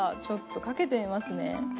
ちょっとかけてみますね。